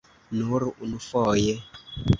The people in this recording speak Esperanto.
Nur unufoje.